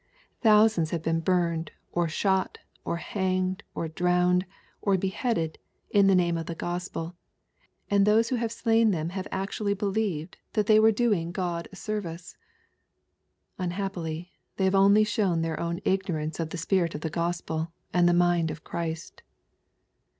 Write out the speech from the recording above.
Thousands have been burned, or shot, or hanged, or drowned, or beheaded, in the name of the Gospel, and those who have slain them have actually believed that they were doing God service 1 Unhappily, they have only shown their own ignorance of the spirit of the Gospel, and the mind of Christ.